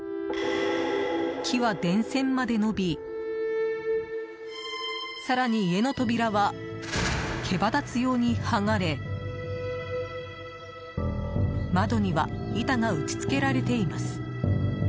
木は電線まで伸び更に、家の扉は毛羽立つように剥がれ窓には板が打ち付けられています。